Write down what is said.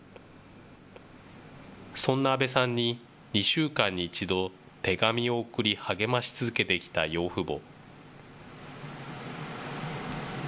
そんな安倍さんに、２週間に１度、手紙を送り励まし続けてきた養父母。